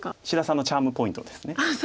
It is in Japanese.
志田さんのチャームポイントです。